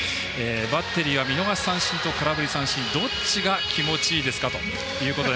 バッテリーは見逃し三振と空振り三振どっちが気持ちいいでしょうかということで。